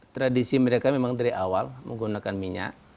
tradisi mereka memang dari awal menggunakan minyak